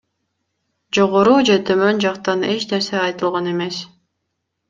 Жогору же төмөн жактан эч нерсе айтылган эмес.